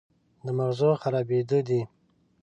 د مغزو خرابېده دي